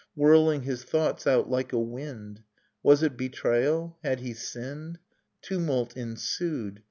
Whirling his thoughts out lik^ a wind. Was it betrayal, — had he sinned? Tumult ensued.